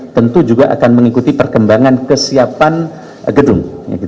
tentu juga akan mengikuti perkembangan kesiapan gedung